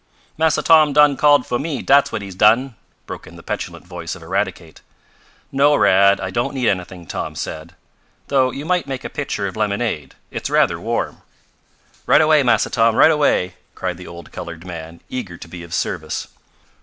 "Massa Tom done called fo' me, dat's what he done!" broke in the petulant voice of Eradicate. "No, Rad, I don't need anything," Tom said. "Though you might make a pitcher of lemonade. It's rather warm." "Right away, Massa Tom! Right away!" cried the old colored man, eager to be of service.